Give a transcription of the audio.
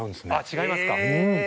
違いますか。